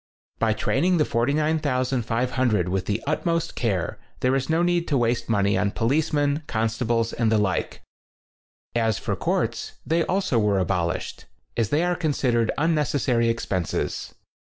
By training the 49,500 with the utmost care there is no need to waste money on policemen, consta bles and the like. As for courts, they also were abolished, as they are con sidered unnecessary expenses.